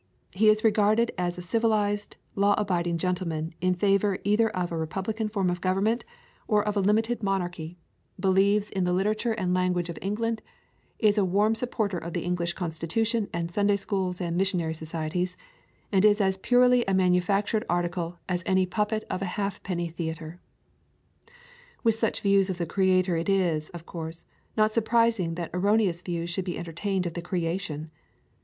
He is regarded as a civ ilized, law abiding gentleman in favor either of a republican form of government or of a [ 136 ] Cedar Keys limited monarchy; believes in the literature and language of England; is a warm supporter of the English constitution and Sunday schools and missionary societies; and is as purely a manufactured article as any puppet of a half penny theater. With such views of the Creator it is, of course, not surprising that erroneous views should be entertained of the creation.